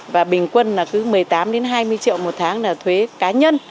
và bình quân là cứ một mươi tám hai mươi triệu một tháng là thuế cá nhân